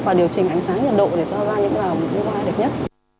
và điều chỉnh ánh sáng nhiệt độ để cho ra những loại hoa đẹp nhất